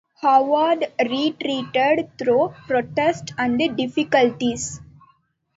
Howard retreated through protests and difficulties.